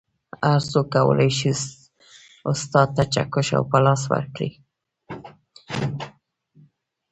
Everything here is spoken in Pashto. هر څوک کولی شي استاد ته چکش او پلاس ورکړي